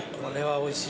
・おいしい。